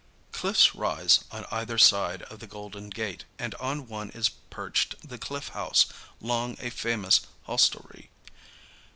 Cliffs rise on either side of the Golden Gate, and on one is perched the Cliff House, long a famous hostelry.